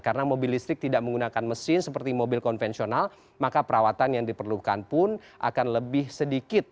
karena mobil listrik tidak menggunakan mesin seperti mobil konvensional maka perawatan yang diperlukan pun akan lebih sedikit